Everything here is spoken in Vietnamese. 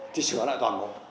thì sửa lại toàn bộ